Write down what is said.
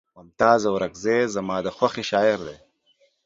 ممتاز اورکزے زما د خوښې شاعر دے